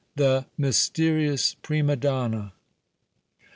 THE MYSTERIOUS PRIMA DONNA.